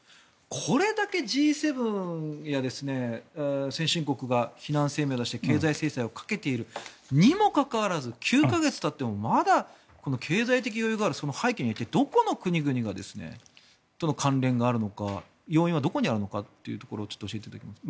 これだけＧ７や先進国が非難声明を出して経済制裁をかけているにもかかわらず９か月たってもまだこの経済的余裕があるその背景には一体どの国々との関連があるのか要因はどこにあるのかってところを教えていただきたいです。